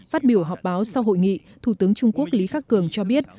phát biểu họp báo sau hội nghị thủ tướng trung quốc lý khắc cường cho biết